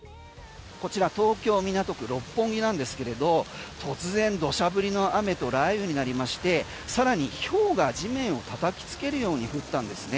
こちら東京・港区六本木なんですけれど突然、土砂降りの雨と雷雨になりまして、更にひょうが地面をたたきつけるように降ったんですね。